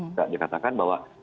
tidak dikatakan bahwa